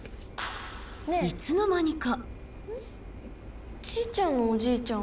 いつの間にか。